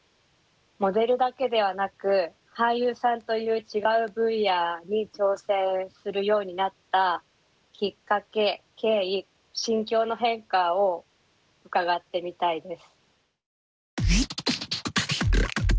モデルだけではなく俳優さんという違う分野に挑戦するようになったきっかけ経緯心境の変化を伺ってみたいです。